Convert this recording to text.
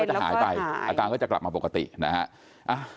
สุดท้ายมันก็จะหายไปอาการก็จะกลับมาปกตินะฮะ